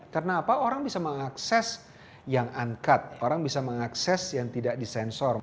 karena apa orang bisa mengakses yang uncut orang bisa mengakses yang tidak disensor